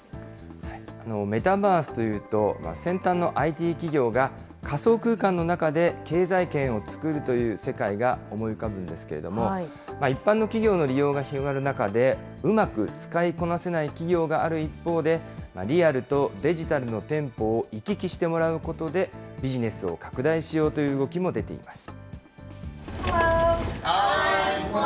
メタバースというと、先端のＩＴ企業が仮想空間の中で経済圏を作るという世界が思い浮かぶんですけれども、一般の企業の利用が広がる中で、うまく使いこなせない企業がある一方で、リアルとデジタルの店舗を行き来してもらうことで、ビジネスを拡大しようという動きも出ています。